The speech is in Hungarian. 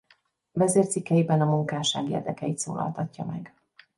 Vezércikkeiben a munkásság érdekeit szólaltatja meg.